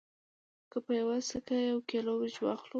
که په یوه سکه یو کیلو وریجې واخلو